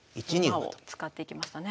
馬を使っていきましたね。